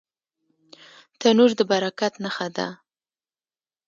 تنور د برکت نښه ده